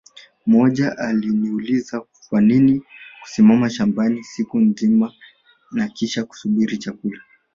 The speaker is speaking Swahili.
Mmoja aliniuliza Kwanini kusimama shambani siku nzima na kisha kusubiri chakula